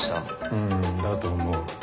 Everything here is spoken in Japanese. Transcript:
うんだと思う。